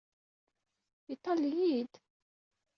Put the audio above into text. I talleḍ-iyi?